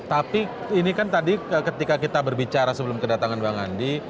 tapi ini kan tadi ketika kita berbicara sebelum kedatangan bang andi